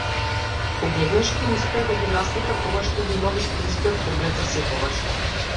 Кога еднаш ќе успее да ги наслика, тогаш ќе го има вистинскиот поглед засекогаш.